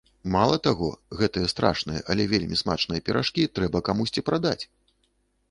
Мала таго, гэтыя страшныя, але вельмі смачныя піражкі трэба камусьці прадаць!